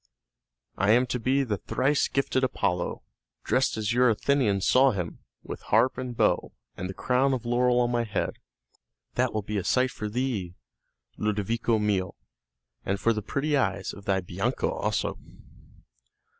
"I am to be the thrice gifted Apollo, dressed as your Athenians saw him, with harp and bow, and the crown of laurel on my head. That will be a sight for thee, Ludovico mio, and for the pretty eyes of thy Bianca also."